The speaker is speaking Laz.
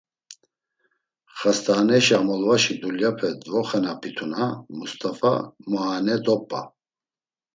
“Xast̆aaneşa amolvaşi dulyape dvoxenapituna Must̆afa muaene dop̌a.